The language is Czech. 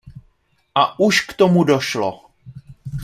A už k tomu došlo.